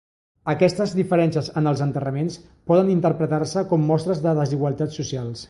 Aquestes diferències en els enterraments poden interpretar-se com mostres de desigualtats socials.